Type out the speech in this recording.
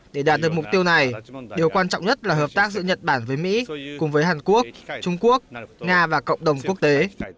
để đạt được mục tiêu này điều quan trọng nhất là hợp tác giữa nhật bản với mỹ cùng với hàn quốc trung quốc nga và cộng đồng quốc tế